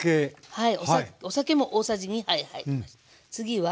はい。